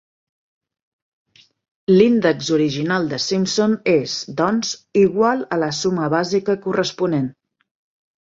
L'índex original de Simpson és, doncs, igual a la suma bàsica corresponent.